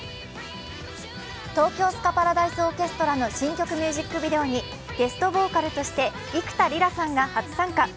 東京スカパラダイスオーケストラの新曲ミュージックビデオにゲストボーカルとして幾田りらさんが初参加。